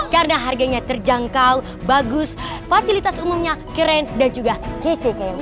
karena harganya terjangkau bagus fasilitas umumnya keren dan juga kece kayak bu